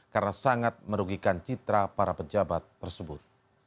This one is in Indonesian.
karena sangat merugikan citra para pejabat tersebut